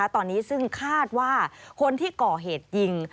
ตอนนี้ซึ่งคาดว่าคนที่ก่อเหตุยิง